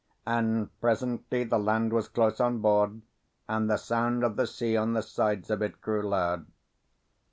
And presently the land was close on board, and the sound of the sea on the sides of it grew loud.